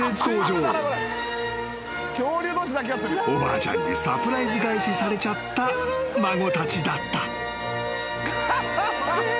［おばあちゃんにサプライズ返しされちゃった孫たちだった］